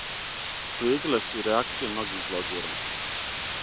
Услиједиле су и реакције многих блогера.